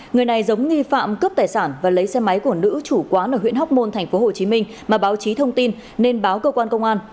người này giống nghi phạm cướp tài sản và lấy xe máy của nữ chủ quán ở huyện hóc môn tp hcm mà báo chí thông tin nên báo cơ quan công an